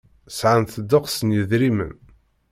Sɛant ddeqs n yedrimen.